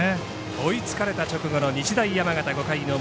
追いつかれた直後の日大山形。